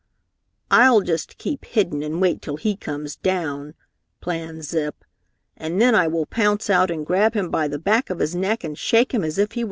"I'll just keep hidden, and wait until he comes down," planned Zip, "and then I will pounce out and grab him by the back of his neck and shake him as if he were a rat."